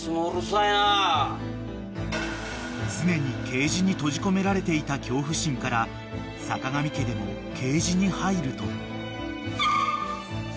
［常にケージに閉じ込められていた恐怖心から坂上家でもケージに入ると］